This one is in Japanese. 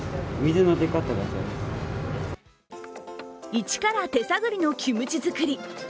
一から手探りのキムチ作り。